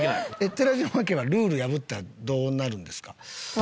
寺島家はルール破ったらどうなるんですか？